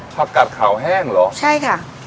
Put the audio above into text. ผักกัดขาวแห้งเหรอใช่ค่ะ